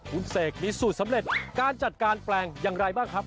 คุณเสกมีสูตรสำเร็จการจัดการแปลงอย่างไรบ้างครับ